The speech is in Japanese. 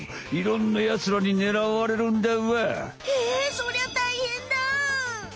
そりゃたいへんだ！